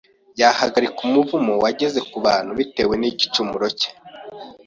yahagarika umuvumo wageze ku bantu bitewe n’igicumuro cye.